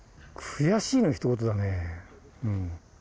悔しいのひと言だね。